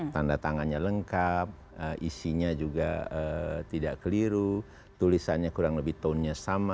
tanda tangannya lengkap isinya juga tidak keliru tulisannya kurang lebih tone nya sama